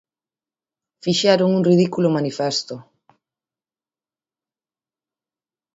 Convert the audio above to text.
Fixeron un ridículo manifesto.